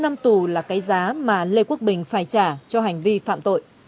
sáu năm tù là cái giá mà lê quốc bình phải trả cho hành vi phạm tội